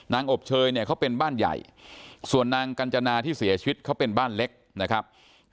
อบเชยเนี่ยเขาเป็นบ้านใหญ่ส่วนนางกัญจนาที่เสียชีวิตเขาเป็นบ้านเล็กนะครับ